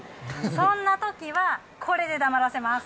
そんなときは、これで黙らせます。